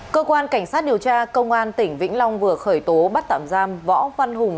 cơ quan cảnh sát điều tra công an tỉnh vĩnh long vừa khởi tố bắt tạm giam võ văn hùng